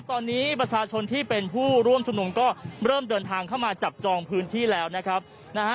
ตอนนี้ประชาชนที่เป็นผู้ร่วมชุมนุมก็เริ่มเดินทางเข้ามาจับจองพื้นที่แล้วนะครับนะฮะ